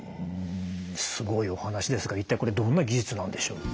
すごいお話ですが一体これどんな技術なんでしょう？